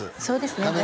そうですね